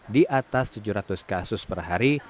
di atas tujuh ratus kasus per hari